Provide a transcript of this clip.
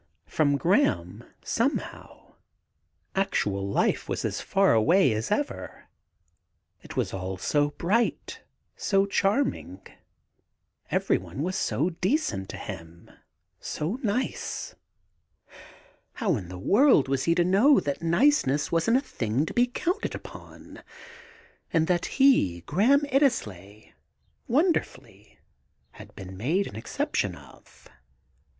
From Graham, somehow, actual life was as far away as ever. It was all so bright, so charming; every one was so 'decent' to him, so nice; how in the world was he to know that * niceness ' wasn't a thing to be counted upon; and that he, Graham Iddesleigh, wonderfully had been made an exception of